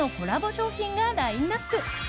商品がラインアップ。